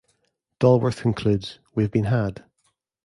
Dolworth concludes, we've been had.